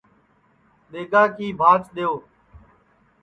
دؔیگا کی بھاچ دؔیو